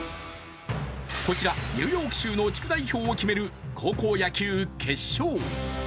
こちら、ニューヨーク州の地区代表を決める高校野球決勝。